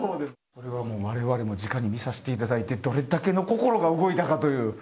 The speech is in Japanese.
われわれもじかに見させていただいてどれだけの心が動いたかという。